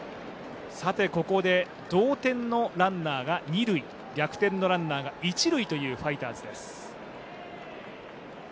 ここで同点のランナーが二塁逆転のランナーが一塁というファイターズです。